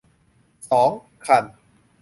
สอง คัน